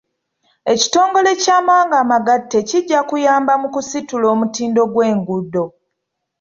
Ekitongole ky'amawanga amagatte kijja kuyamba mu kusitula omutindo gw'enguudo.